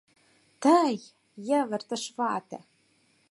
— Тый?! — йывыртыш вате.